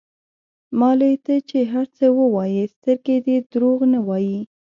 مالې ته چې هر څه ووايې سترګې دې دروغ نه وايي.